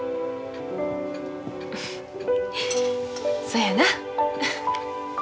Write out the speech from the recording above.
そやな。